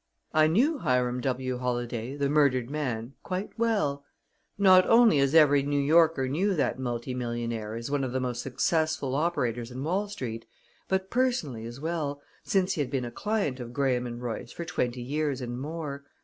I knew Hiram W. Holladay, the murdered man, quite well; not only as every New Yorker knew that multi millionaire as one of the most successful operators in Wall Street, but personally as well, since he had been a client of Graham & Royce for twenty years and more.